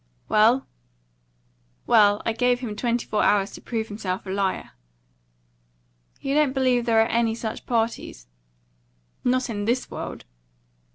"Well?" "Well, I gave him twenty four hours to prove himself a liar." "You don't believe there are any such parties?" "Not in THIS world."